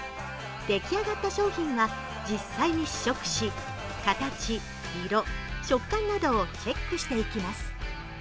出来上がった商品は、実際に試食し形、色、食感などをチェックしていきます。